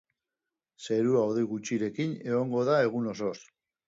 Zerua hodei gutxirekin egongo da egun osoz.